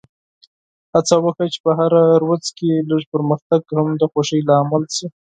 هڅه وکړه چې په هره ورځ کې لږ پرمختګ هم د خوښۍ لامل شي.